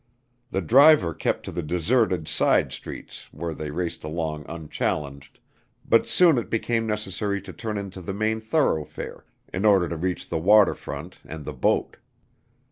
The driver kept to the deserted side streets where they raced along unchallenged, but soon it became necessary to turn into the main thoroughfare in order to reach the water front and the boat.